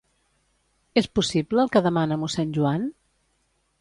És possible el que demana mossèn Joan?